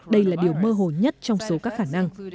đây là điều mơ hồ nhất trong số các khả năng